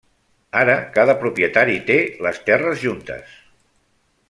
Ara cada propietari té les terres juntes.